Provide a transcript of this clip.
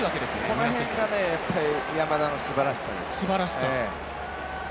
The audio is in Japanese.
この辺が山田のすばらしさです。